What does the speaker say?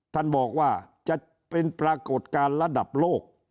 ท่านบอกว่าจะเป็นปรากฏการณ์ระดับโลก